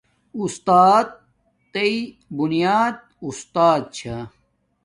انسانݵ بونیات اُستات چھا